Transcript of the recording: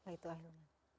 apa itu ahlimah